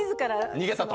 逃げたと？